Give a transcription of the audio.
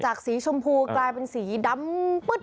สีชมพูกลายเป็นสีดำปึ๊ด